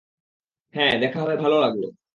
হ্যাঁ, দেখা হয়ে ভালো লাগল।